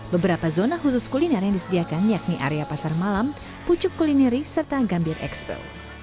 beberapa zona khusus kuliner yang disediakan yakni area pasar malam pucuk kulineri serta gambir expo